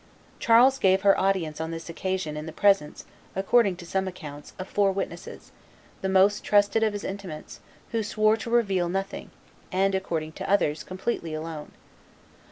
Charles gave her audience on this occasion in the presence, according to some accounts, of four witnesses, the most trusted of his intimates, who swore to reveal nothing, and, according to others, completely alone.